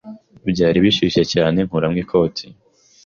Byari bishyushye cyane nkuramo ikoti.